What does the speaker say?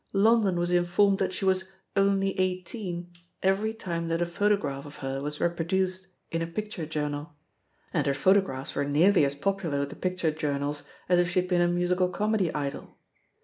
London was in formed that she was "only eighteen" every time that a photograph of her was reproduced in a pic ture journal — and her photographs were nearly as popular with the picture journals as if she had been a musical comedy idol.